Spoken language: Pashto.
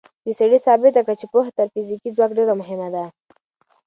دې سړي ثابته کړه چې پوهه تر فزیکي ځواک ډېره مهمه ده.